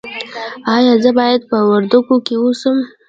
ایا زه باید په وردګو کې اوسم؟